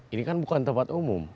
ini kan bukan tempat umum